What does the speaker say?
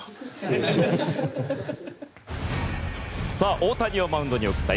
大谷をマウンドに送った